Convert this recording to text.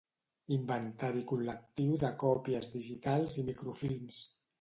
Inventari col·lectiu de còpies digitals i microfilms.